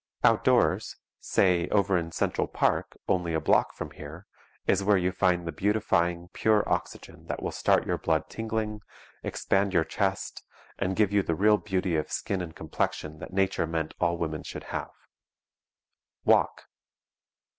Outdoors say, over in Central Park, only a block from here is where you find the beautifying, pure oxygen that will start your blood tingling, expand your chest, and give you the real beauty of skin and complexion that nature meant all women should have. Walk.